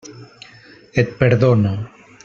Et perdono.